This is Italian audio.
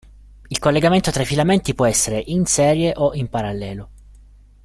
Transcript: Il collegamento tra i filamenti può essere "in serie" o "in parallelo".